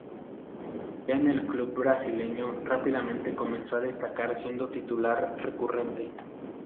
Ya en el club brasileño rápidamente comenzó a destacar siendo titular recurrente.